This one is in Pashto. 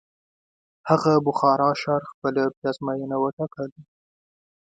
هغه بخارا ښار خپله پلازمینه وټاکله.